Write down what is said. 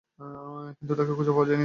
কিন্তু তাকে খুঁজে পাওয়া যায়নি।